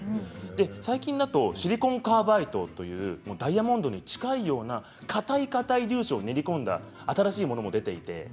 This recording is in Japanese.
最近だとシリコンカーバイドといってダイヤモンドに近い固い固い粒子を練り込んだ新しいものも出ています。